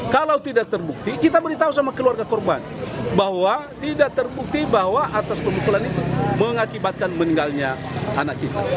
kalau tidak terbukti kita beritahu sama keluarga korban bahwa tidak terbukti bahwa atas pemukulan itu mengakibatkan meninggalnya anak kita